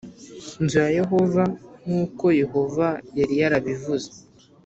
nzu ya Yehova nk uko Yehova yari yarabivuze